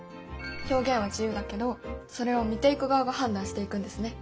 表現は自由だけどそれを見ていく側が判断していくんですね。